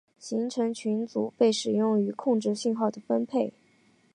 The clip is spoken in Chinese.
行程群组被使用于控制信号的分配。